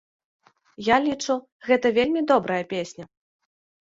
Я лічу, гэта вельмі добрая песня.